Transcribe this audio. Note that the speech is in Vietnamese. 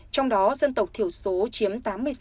trong đó dân tộc thiểu số chiếm tám mươi sáu